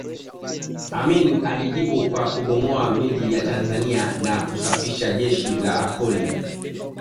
Amin alijibu kwa kubomoa miji ya Tanzania na kusafisha jeshi la Akoli